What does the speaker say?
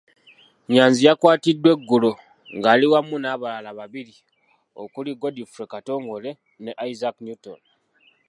Nyanzi yakwatiddwa eggulo nga ali wamu n'abalala babiri okuli Godfrey Katongole ne Isaac Newton.